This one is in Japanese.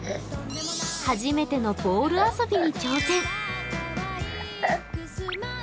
初めてのボール遊びに挑戦。